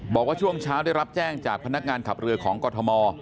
บอกว่าช่วงเช้าได้รับแจ้งจากพนักงานขับเรือของกรทม